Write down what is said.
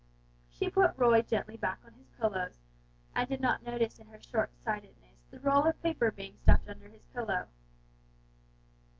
She put Roy gently back on his pillows, and did not notice in her short sightedness the roll of paper being stuffed under his pillow.